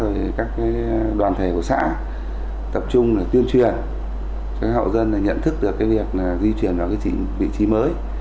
rồi các đoàn thể của xã tập trung là tuyên truyền cho các hộ dân là nhận thức được cái việc là di chuyển vào cái vị trí mới